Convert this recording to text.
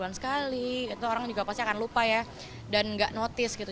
kalau nggak uploadnya cuma sebulan sekali itu orang juga pasti akan lupa ya dan nggak notice gitu